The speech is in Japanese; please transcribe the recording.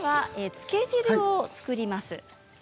漬け汁を作ります。